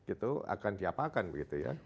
itu akan diapakan begitu ya